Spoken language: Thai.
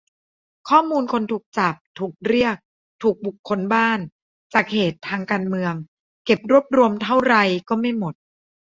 ข้อมูลคนถูกจับ ถูกเรียก ถูกบุกค้นบ้าน จากเหตุทางการเมือง เก็บรวบรวมเท่าไรก็ไม่หมด